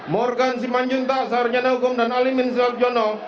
morgan simanjuntas arjana hukum dan alimin silapjono